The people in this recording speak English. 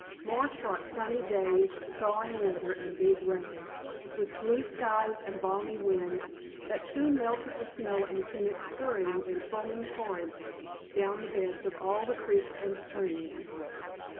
March brought sunny days, thawing weather and big rains, with blue skies and balmy winds that soon melted the snow and sent it scurrying in foaming torrents down the beds of all the creeks and streams.